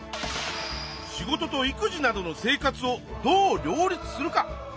仕事と育児などの生活をどう両立するか。